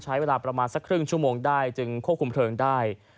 ใช้เวลาประมาณสักครึ่งชั่วโมงได้จึงควบคุมเพลิงได้